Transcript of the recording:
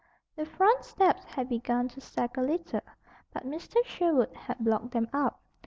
The front steps had begun to sag a little; but Mr. Sherwood had blocked them up.